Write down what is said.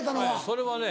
それはね